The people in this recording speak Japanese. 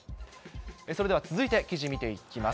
それでは続いて記事、見ていきます。